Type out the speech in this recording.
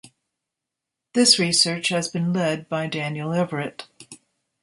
This research has been led by Daniel Everett.